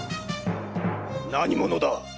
何者だ？